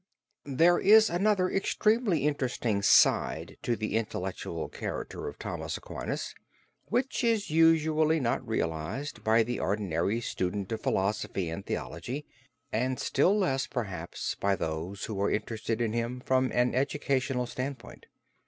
There is another extremely interesting side to the intellectual character of Thomas Aquinas which is usually not realized by the ordinary student of philosophy and theology, and still less perhaps by those who are interested in him from an educational standpoint.